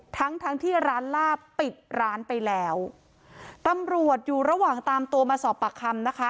ทั้งทั้งที่ร้านลาบปิดร้านไปแล้วตำรวจอยู่ระหว่างตามตัวมาสอบปากคำนะคะ